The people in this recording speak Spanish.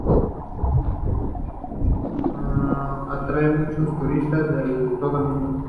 Atrae a muchos turistas de todo el mundo.